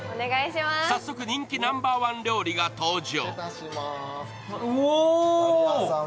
早速、人気ナンバーワン料理が登場。